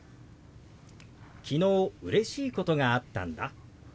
「昨日うれしいことがあったんだ」。